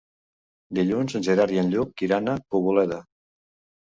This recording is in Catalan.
Dilluns en Gerard i en Lluc iran a Poboleda.